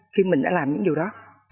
khi mình đã làm những điều đó